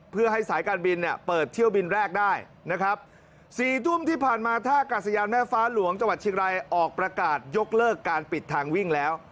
เพื่อให้สายการบินเนี่ยเปิดเที่ยวบินแรกได้นะครับสี่ทุ่มที่ผ่านมาท่ากาศยานแม่ฟ้าหลวงจังหวัดเชียงรายออกประกาศยกเลิกการปิดทางวิ่งแล้ว